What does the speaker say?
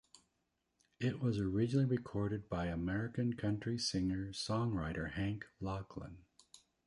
It was originally recorded by American country singer–songwriter Hank Locklin.